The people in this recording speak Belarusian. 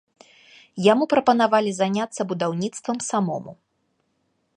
Яму прапанавалі заняцца будаўніцтвам самому.